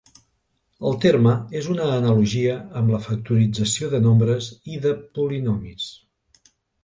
El terme és una analogia amb la factorització de nombres i de polinomis.